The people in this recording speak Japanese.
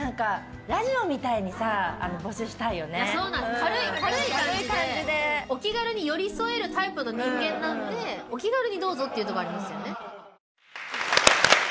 軽い感じでお気軽に寄り添えるタイプの人間なんでお気軽にどうぞというところありますよね。